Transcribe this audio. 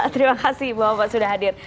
terima kasih bahwa sudah hadir